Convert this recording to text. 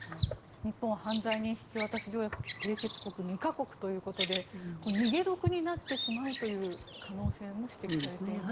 日本は犯罪人引渡し条約締結国が２か国ということで逃げ得になってしまうという可能性も指摘されています。